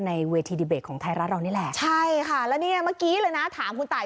ในเวทีดีเบตของไทยรัฐเรานี่แหละใช่ค่ะแล้วเนี่ยเมื่อกี้เลยนะถามคุณตาย